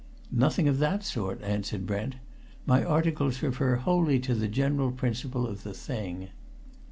"Nothing of that sort," answered Brent. "My articles refer wholly to the general principle of the thing."